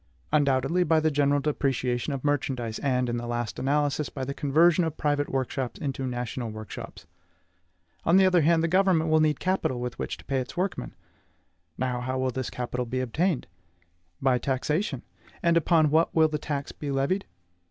Undoubtedly, by the general depreciation of merchandise, and, in the last analysis, by the conversion of private workshops into national workshops. On the other hand, the government will need capital with which to pay its workmen; now, how will this capital be obtained? By taxation. And upon what will the tax be levied?